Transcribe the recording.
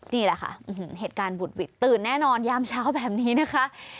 นี่แหละค่ะเหตุการณ์บุดหวิดตื่นแน่นอนยามเช้าแบบนี้นะคะ